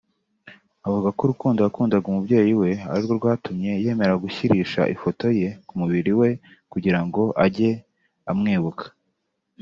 Avuga ko urukundo yakundaga umubyeyi we arirwo rwatumye yemera gushyirisha ifoto ye ku mubiri we kugirango ajye amwibuka